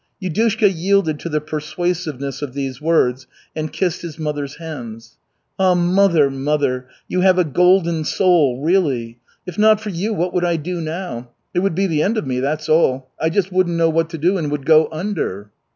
Yudushka yielded to the persuasiveness of these words, and kissed his mother's hands. "Ah, mother, mother, you have a golden soul, really! If not for you what would I do now? It would be the end of me, that's all. I just wouldn't know what to do and would go under."